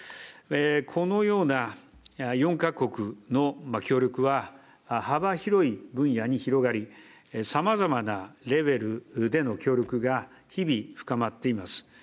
このような４か国の協力は幅広い分野に広がり、さまざまなレベルでの協力が日々深まっています。